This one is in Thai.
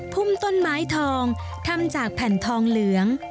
พุ่มต้นไม้ทองทำจากแผ่นทองเหลือง